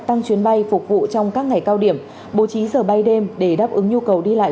tăng chuyến bay phục vụ trong các ngày cao điểm bố trí giờ bay đêm để đáp ứng nhu cầu đi lại